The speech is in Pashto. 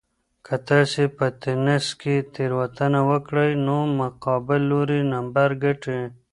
که تاسي په تېنس کې تېروتنه وکړئ نو مقابل لوری نمبر ګټي.